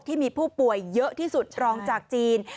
ที่มีผู้ป่วยเยอะที่สุดรองจากจีน